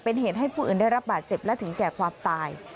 เป็นเหตุให้ผู้อื่นได้รับบาดเจ็บและถึงแก่ความตาย